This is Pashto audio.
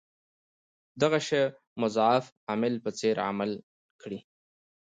دغه شي مضاعف عامل په څېر عمل کړی.